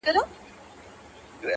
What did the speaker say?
که به دوی هم مهربان هغه زمان سي!!